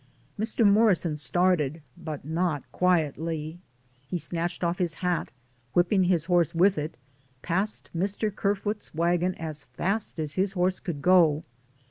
Mr. Morrison started, but not quietly; he snatched off his hat, whipping his horse with it, passed Mr. Ker foot's wagon as fast as his horse could go.